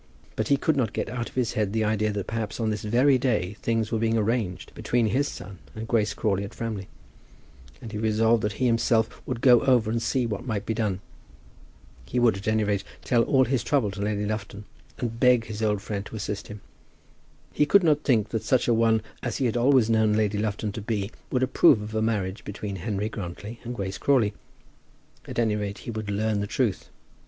But he could not get out of his head the idea that perhaps on this very day things were being arranged between his son and Grace Crawley at Framley; and he resolved that he himself would go over and see what might be done. He would, at any rate, tell all his trouble to Lady Lufton, and beg his old friend to assist him. He could not think that such a one as he had always known Lady Lufton to be would approve of a marriage between Henry Grantly and Grace Crawley. At any rate, he would learn the truth.